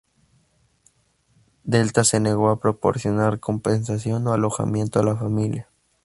Delta se negó a proporcionar compensación o alojamiento a la familia.